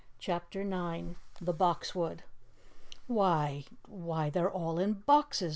CHAPTER 9 The Box Wood "Why! Why, they're all in boxes!"